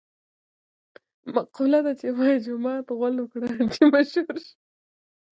مقوله ده: وايي جومات غول وکړه چې مشهور شې.